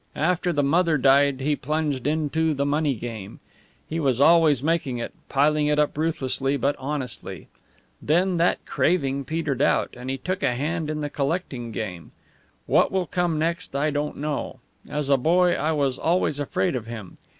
After the mother died he plunged into the money game. He was always making it, piling it up ruthlessly but honestly. Then that craving petered out, and he took a hand in the collecting game. What will come next I don't know. As a boy I was always afraid of him.